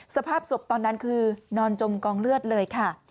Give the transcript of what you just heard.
สภาพศพตอนนั้นคือนอนจมกองเลือดเลยค่ะ